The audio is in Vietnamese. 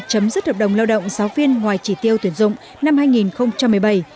chấm dứt hợp đồng lao động giáo viên ngoài chỉ tiêu tuyển dụng năm hai nghìn một mươi bảy